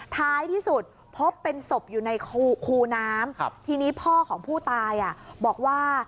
ท้ายที่สุดพบเป็นศพอยู่ในคูน้ำทีนี้พ่อของผู้ตายบอกว่า